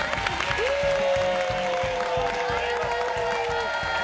ありがとうございます。